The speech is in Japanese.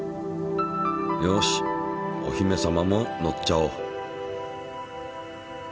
よしおひめ様も乗っちゃおう。